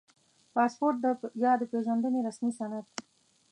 • پاسپورټ یا د پېژندنې رسمي سند